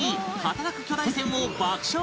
働く巨大船を爆笑授業